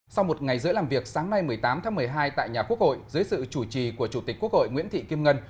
sau một ngày giữa làm việc sáng nay một mươi tám tháng một mươi hai tại nhà quốc hội dưới sự chủ trì của chủ tịch quốc hội nguyễn thị kim ngân